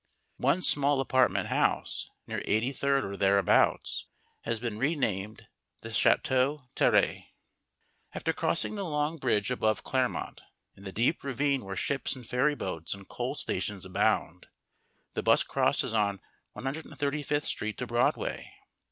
One small apartment house, near Eighty third or thereabouts, has been renamed the Château Thierry. After crossing the long bridge above Claremont and the deep ravine where ships and ferryboats and coal stations abound, the bus crosses on 135th Street to Broadway.